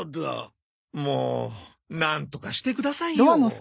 もうなんとかしてくださいよ。